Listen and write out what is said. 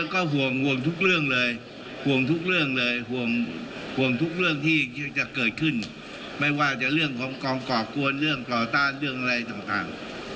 ก็ห่วงห่วงทุกเรื่องเลยห่วงทุกเรื่องเลยห่วงทุกเรื่องที่จะเกิดขึ้นไม่ว่าจะเรื่องของกองก่อกวนเรื่องต่อต้านเรื่องอะไรต่าง